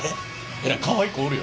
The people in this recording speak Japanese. えらいかわいい子おるよ。